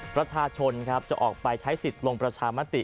ประชาชนครับจะออกไปใช้สิทธิ์ลงประชามติ